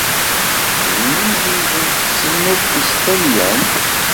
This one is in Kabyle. D win izewǧen d tselmadt-is talyant.